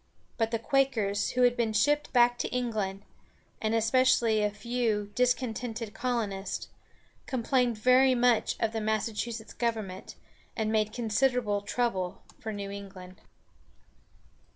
But the Quakers who had been shipped back to England, and especially a few discontented colonists, complained very much of the Massachusetts government, and made considerable trouble for New England.